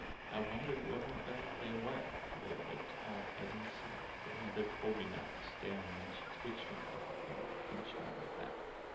"I wondered what on earth they were, That looked all head and sack; But Mother told me not to stare, And then she twitched me by the hair, And punched me in the back.